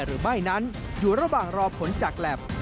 หรือไม่นั้นอยู่ระบะรอผลจากแลป